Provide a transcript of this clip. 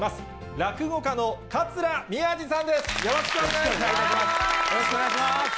落語家の桂宮治さんです。